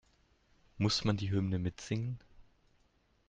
Muss man die Hymne mitsingen?